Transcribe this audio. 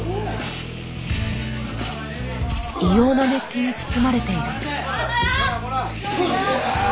異様な熱気に包まれている。